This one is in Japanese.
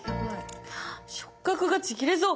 触角がちぎれそう！